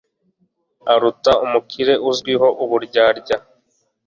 aruta umukire uzwiho uburyarya